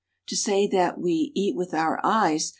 To say that "we eat with our eyes"